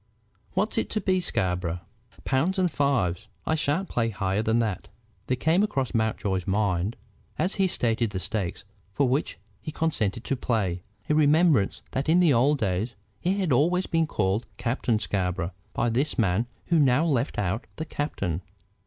What's it to be, Scarborough?" "Pounds and fives. I shan't play higher than that." There came across Mountjoy's mind, as he stated the stakes for which he consented to play, a remembrance that in the old days he had always been called Captain Scarborough by this man who now left out the captain.